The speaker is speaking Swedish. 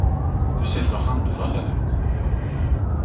Du ser så handfallen ut?